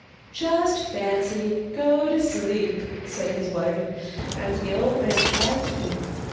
'Just fancy! Go to sleep,' said his wife; and the old man tried to.